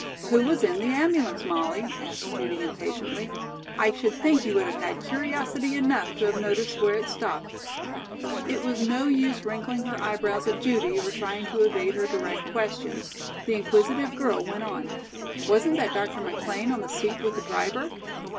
"Who was in the ambulance, Molly?" asked Judy impatiently. "I should think you would have had curiosity enough to have noticed where it stopped." It was no use wrinkling her eyebrows at Judy or trying to evade her direct questions. The inquisitive girl went on: "Wasn't that Dr. McLean on the seat with the driver?"